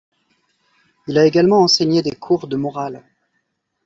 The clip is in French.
Il a également enseigné des cours de morales.